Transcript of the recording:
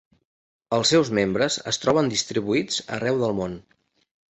Els seus membres es troben distribuïts arreu del món.